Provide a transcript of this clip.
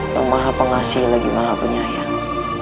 tuh maha pengasih lagi maha penyayang